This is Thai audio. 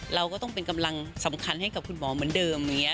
เราก็ต้องเป็นกำลังสำคัญให้กับคุณหมอเหมือนเดิมอย่างนี้